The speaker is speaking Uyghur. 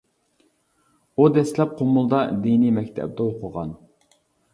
ئۇ دەسلەپ قۇمۇلدا دىنىي مەكتەپتە ئوقۇغان.